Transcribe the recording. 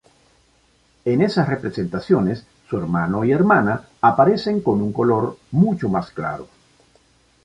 En esas representaciones, su hermano y hermana aparecen con un color mucho más claro.